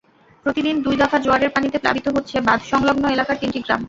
প্রতিদিন দুই দফা জোয়ারের পানিতে প্লাবিত হচ্ছে বাঁধসংলগ্ন এলাকার তিনটি গ্রাম।